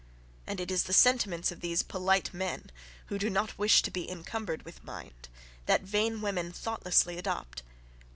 And it is the sentiments of these polite men, who do not wish to be encumbered with mind, that vain women thoughtlessly adopt.